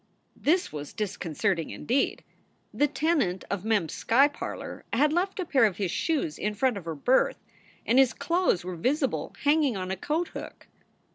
" This was disconcerting indeed. The tenant of Mem s sky parlor had left a pair of his shoes in front of her berth, and his clothes were visible hanging on a coat hook.